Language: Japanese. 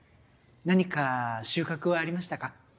何か収穫はありましたか？